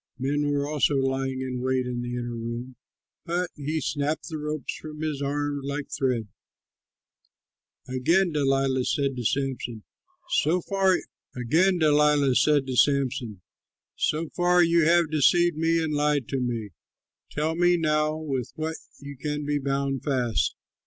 Men were also lying in wait in the inner room; but he snapped the ropes from his arms like thread. Again Delilah said to Samson, "So far you have deceived me and lied to me; tell me now with what you can be bound fast."